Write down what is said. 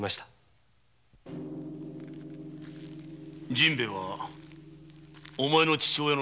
陣兵衛はお前の父親の仲間か？